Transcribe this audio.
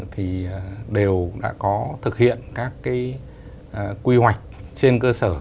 thì đều đã có thực hiện các cái quy hoạch trên cơ sở